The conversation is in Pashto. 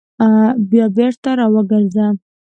بیا بېرته راوګرځه !